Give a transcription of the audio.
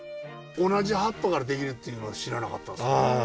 同じ葉っぱから出来るっていうのは知らなかったです。